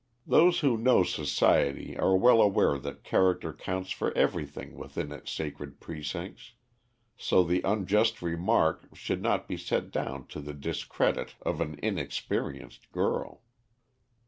Those who know society are well aware that character counts for everything within its sacred precincts. So the unjust remark should not be set down to the discredit of an inexperienced girl.